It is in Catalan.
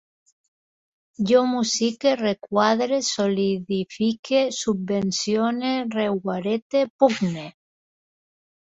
Jo musique, requadre, solidifique, subvencione, reguarete, pugne